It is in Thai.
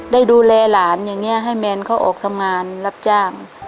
ได้ดูแลหลานอย่างนี้ให้แมนเขาออกทำงานรับจ้าง